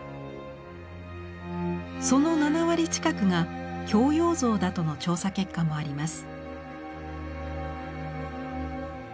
その７割近くが孝養像だとの調査結果もあります。